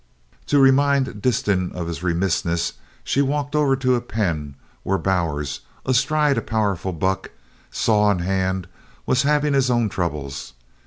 To remind Disston of his remissness she walked over to a pen where Bowers, astride a powerful buck, saw in hand, was having his own troubles.